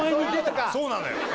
そうなのよ。